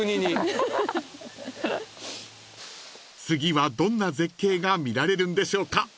［次はどんな絶景が見られるんでしょうか］